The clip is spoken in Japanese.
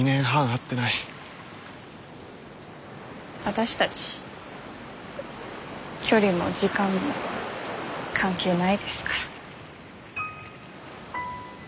私たち距離も時間も関係ないですから。